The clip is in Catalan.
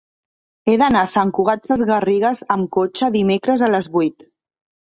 He d'anar a Sant Cugat Sesgarrigues amb cotxe dimecres a les vuit.